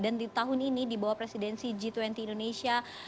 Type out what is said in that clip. dan di tahun ini di bawah presidensi g dua puluh indonesia